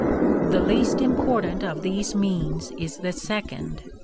The least important of these means is the second.